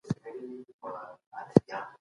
طبیعي درمل په بازارونو کي خلګو ته څنګه ورکول کيدل؟